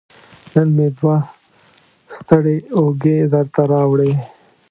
نن مې دوه ستړې اوږې درته راوړي